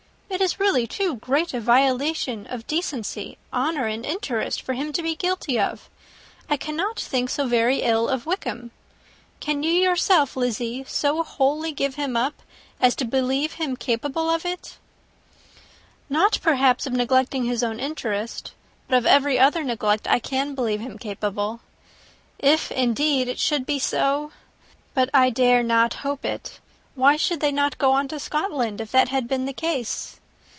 It is really too great a violation of decency, honour, and interest, for him to be guilty of it. I cannot think so very ill of Wickham. Can you, yourself, Lizzie, so wholly give him up, as to believe him capable of it?" "Not perhaps of neglecting his own interest. But of every other neglect I can believe him capable. If, indeed, it should be so! But I dare not hope it. Why should they not go on to Scotland, if that had been the case?"